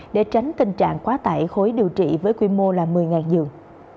để tránh tình trạng quá tải khối điều trị với quy mô là một mươi giường